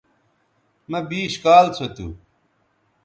مہ بیش کال سو تھو